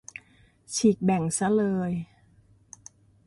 ฉีกแบ่งซะเลย